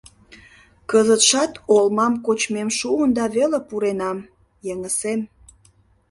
Кызытшат олмам кочмем шуын да веле пуренам, — йыҥысем.